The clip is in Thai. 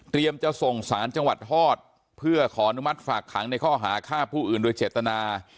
จะส่งสารจังหวัดฮอตเพื่อขออนุมัติฝากขังในข้อหาฆ่าผู้อื่นโดยเจตนา